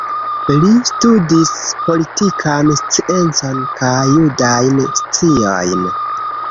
Li studis politikan sciencon kaj judajn sciojn.